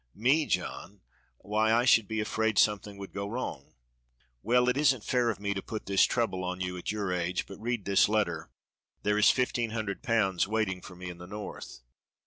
"Me, John! why I should be afraid something would go wrong." "Well, it isn't fair of me to put this trouble on you at your age; but read this letter there is fifteen hundred pounds waiting for me in the North."